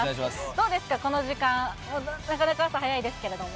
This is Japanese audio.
どうですか、この時間、なかなか朝早いですけれども。